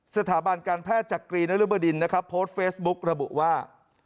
สถาบันการแพทย์จักรีนรบดินนะครับโพสต์เฟซบุ๊กระบุว่า